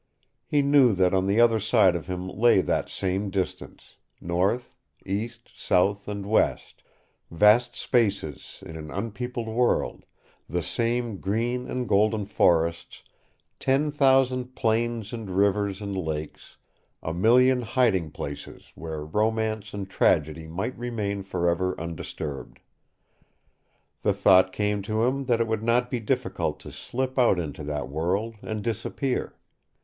He knew that on the other side of him lay that same distance, north, east, south, and west, vast spaces in an unpeopled world, the same green and golden forests, ten thousand plains and rivers and lakes, a million hiding places where romance and tragedy might remain forever undisturbed. The thought came to him that it would not be difficult to slip out into that world and disappear.